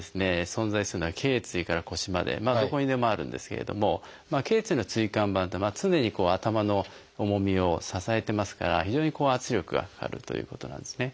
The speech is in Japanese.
存在するのは頚椎から腰までどこにでもあるんですけれども頚椎の椎間板って常に頭の重みを支えてますから非常に圧力がかかるということなんですね。